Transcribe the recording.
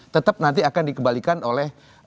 tetap nanti akan dikembalikan oleh